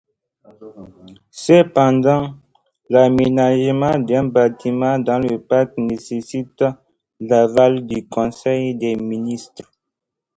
Cependant, l'aménagement d'un bâtiment dans le parc nécessite l'aval du conseil des ministres.